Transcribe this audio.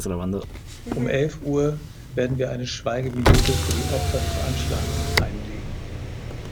Um elf Uhr werden wir eine Schweigeminute für die Opfer des Anschlags einlegen.